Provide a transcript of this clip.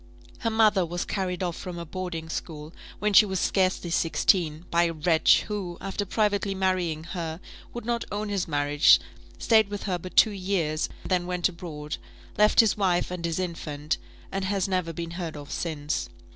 Her mother was carried off from a boarding school, when she was scarcely sixteen, by a wretch, who, after privately marrying her, would not own his marriage, stayed with her but two years, then went abroad, left his wife and his infant, and has never been heard of since.